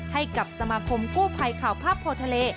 ให้กับสมาคมกู้ภัยข่าวภาพโพทะเล